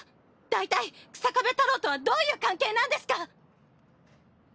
だいたい日下部太朗とはどういう関係なんですか？